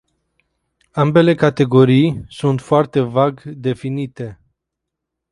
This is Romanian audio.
Ambele categorii sunt foarte vag definite.